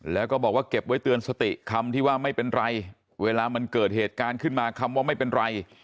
แล้วก็บอกว่าเก็บไว้เตือนสติคำที่ว่าไม่เป็นไรเวลามันเกิดเหตุการณ์ขึ้นมาคำว่าไม่เป็นไร